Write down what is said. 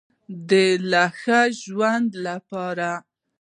د لا ښه ژوند لپاره.